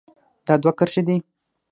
دا دوه کرښې دي.